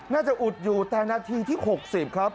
อุดอยู่แต่นาทีที่๖๐ครับ